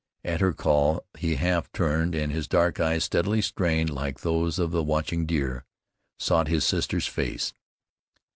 At her call he half turned, and his dark eyes, steady, strained like those of a watching deer, sought his sister's face.